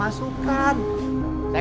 ambil ya tid tid